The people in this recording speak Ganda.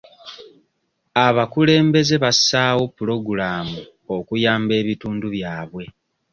Abakulembeze bassaawo pulogulaamu okuyamba ebitundu byabwe.